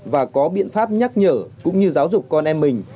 và có biện pháp nhắc nhở cũng như giáo dục con em mình